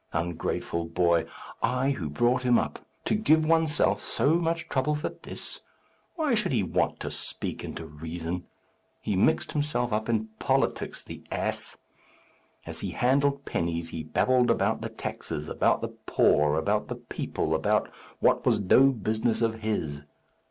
Ungrateful boy! I who brought him up! To give oneself so much trouble for this! Why should he want to speak and to reason? He mixed himself up in politics. The ass! As he handled pennies he babbled about the taxes, about the poor, about the people, about what was no business of his.